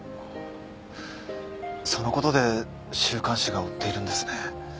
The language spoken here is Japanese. そのことで週刊誌が追っているんですね。